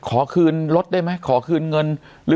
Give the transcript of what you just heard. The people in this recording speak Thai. ขอคืนรถได้ไหมขอคืนเงิน